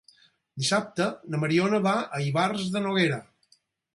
Dissabte na Mariona va a Ivars de Noguera.